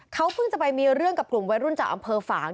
เขาเพิ่งจะไปมีเรื่องกับกลุ่มวัยรุ่นจากอำเภอฝาง